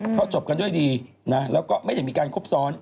เพราะจบกันด้วยดีนะแล้วก็ไม่ได้มีการครบซ้อน